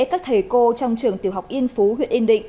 các thầy cô trong trường tiểu học yên phú huyện yên định